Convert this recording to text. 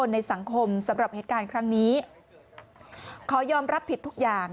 ในเหตุการณ์ครั้งนี้ขอยอมรับผิดทุกอย่าง